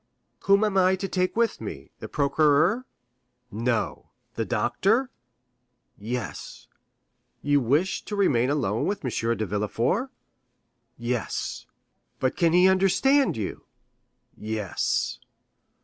"Whom am I to take with me? The procureur?" "No." "The doctor?" "Yes." "You wish to remain alone with M. de Villefort?" "Yes." "But can he understand you?" "Yes."